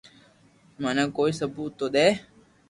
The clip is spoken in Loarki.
منو ڪوئي سبوت تو دي